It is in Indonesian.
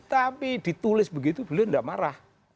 tapi ditulis begitu beliau tidak marah